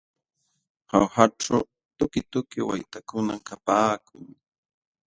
Jaujaćhu tukituki waytakunam kapaakun.